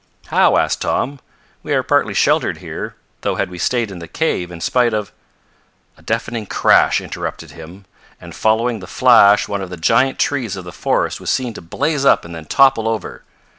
"How?" asked Tom. "We are partly sheltered here, though had we stayed in the cave in spite of " A deafening crash interrupted him, and following the flash one of the giant trees of the forest was seen to blaze up and then topple over.